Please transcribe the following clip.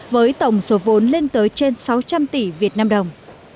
với tổng số vốn lên tới trên sáu trăm linh tỷ việt nam đồng